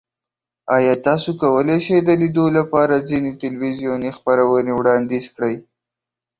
ایا تاسو کولی شئ د لیدو لپاره ځینې تلویزیوني خپرونې وړاندیز کړئ؟